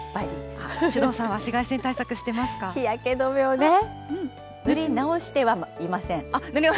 首藤さんは紫外線対策してま日焼け止めをね、塗り直してはいません。